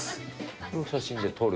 この写真で撮る。